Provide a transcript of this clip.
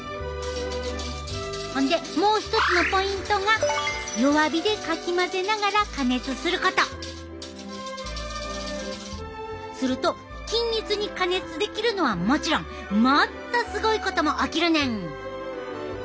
ほんでもう一つのポイントがすると均一に加熱できるのはもちろんもっとすごいことも起きるねん！